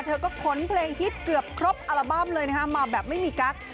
เธอก็ขนเพลงฮิตเกือบครบอัลบั้มเลยนะฮะมาแบบไม่มีกั๊ก